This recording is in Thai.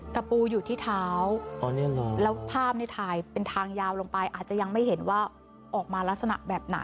ตะปูอยู่ที่เท้าแล้วภาพนี้ถ่ายเป็นทางยาวลงไปอาจจะยังไม่เห็นว่าออกมาลักษณะแบบไหน